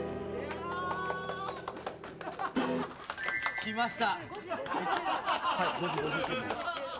きました。